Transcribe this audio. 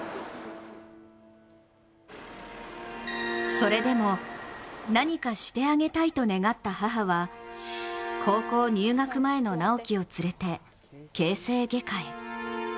それでも何かしてあげたいと願った母は高校入学前の直喜を連れて形成外科へ。